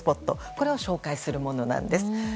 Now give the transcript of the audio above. これを紹介するものなんです。